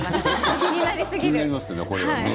気になりますね、これ。